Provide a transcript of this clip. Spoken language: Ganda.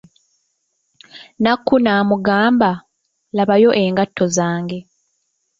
Nakku n'amugamba, labayo engatto zange.